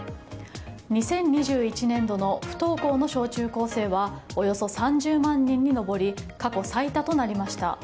２０２１年度の不登校の小中高生はおよそ３０万人に上り過去最多となりました。